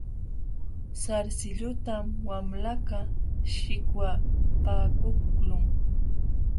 Sarsilluntam wamlakaq shikwapakuqlun.